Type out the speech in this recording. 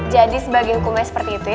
jadi sebagian hukumnya seperti itu ya